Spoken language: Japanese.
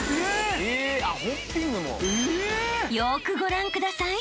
［よーくご覧ください］